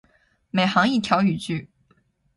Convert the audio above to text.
每行一条语句